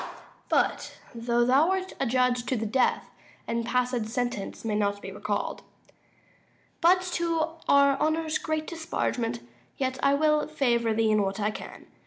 But, though thou art adjudged to the death, And passed sentence may not be recall'd But to our honour's great disparagement, Yet will I favour thee in what I can.